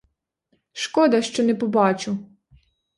Шкода, що не побачу!